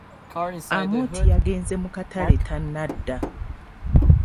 Amooti yagenze mu katale tanadda.